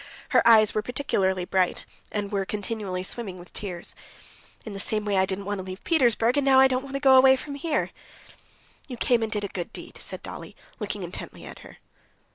Her eyes were particularly bright, and were continually swimming with tears. "In the same way I didn't want to leave Petersburg, and now I don't want to go away from here." "You came here and did a good deed," said Dolly, looking intently at her.